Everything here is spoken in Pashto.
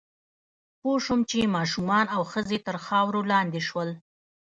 پوه شوم چې ماشومان او ښځې تر خاورو لاندې شول